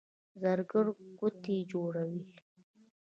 زرګر ګوتې جوړوي.